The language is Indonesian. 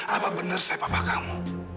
apa bener saya papa kamu